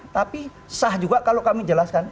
tapi sah juga kalau kami jelaskan